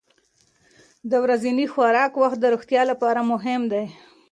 د ورځني خوراک وخت د روغتیا لپاره مهم دی.